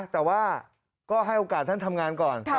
แต่ว่าก็ให้โอกาสท่านทำงานก่อน